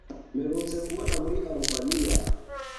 Mperutse kubabona muri Alubaniya.